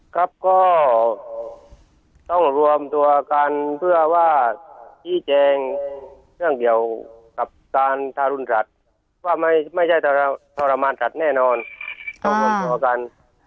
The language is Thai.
ครับก็ต้องรวมตัวกันเพื่อว่าชี้แจงเรื่องเดียวกับการทารุณสัตว์ว่าไม่ใช่ทรมานสัตว์แน่นอนต้องรวมตัวกัน